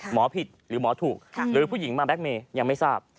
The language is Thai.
หมอผิดหรือหมอถูกหรือผู้หญิงมาแล็กเมย์ยังไม่ทราบ